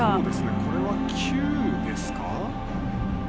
これは球ですか。